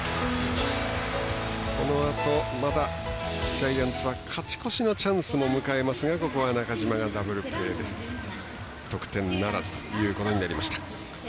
このあと、ジャイアンツは勝ち越しのチャンスも迎えますがここは中島がダブルプレーで得点ならずとなりました。